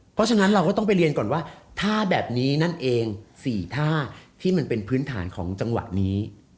เพราะฉะนั้นเราก็ต้องไปเรียนก่อนว่าท่าแบบนี้นั่นเอง๔ท่าที่มันเป็นพื้นฐานของจังหวะนี้